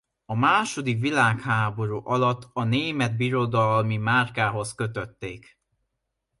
A második világháború alatt a német birodalmi márkához kötötték.